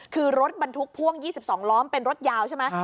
คือรถบรรทุกพ่วง๒๒ล้อมเป็นรถยาวใช่ไหม